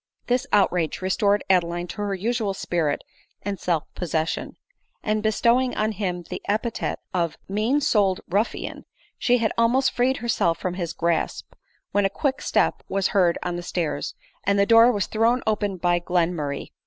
39 This outrage restored Adeline to her usual spirit and self possession ; and bestowing on him the epithet of " mean soul'd ruffian !" she had almost freed herself from his grasp, when a quick step was heard on the stairs, and the door was thrown open by Glenmurray.